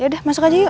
yaudah masuk aja yuk